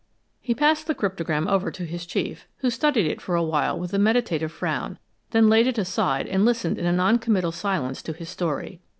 He passed the cryptogram over to his chief, who studied it for a while with a meditative frown, then laid it aside and listened in a non committal silence to his story.